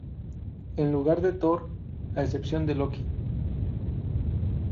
En lugar de Thor, a excepción de Loki.